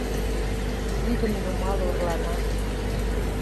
Вӱдым нумал орлана